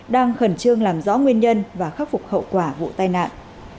đang khẩn trương làm rõ nguyên nhân và khắc phục hậu quả vụ tai nạn